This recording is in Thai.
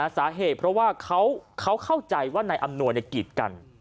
สาเหตุเพราะว่าเขาเข้าใจว่านายอำนวยกีดกัน